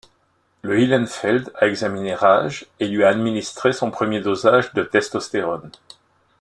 Le Ihlenfeld a examiné Raj et lui a administré son premier dosage de testostérone.